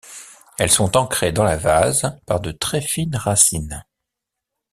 Elles sont ancrées dans la vase par de très fines racines.